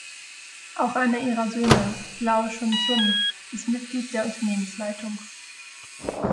Auch einer ihrer Söhne, Lau Chun Shun, ist Mitglied der Unternehmensleitung.